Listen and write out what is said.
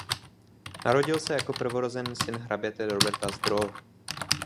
Narodil se jako prvorozený syn hraběte Roberta z Dreux.